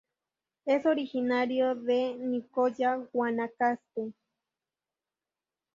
Es originario de Nicoya, Guanacaste.